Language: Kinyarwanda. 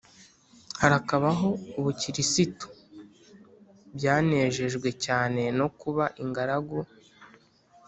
harakabaho ubukirisitu! : byanejejwe cyane no kuba ingaragu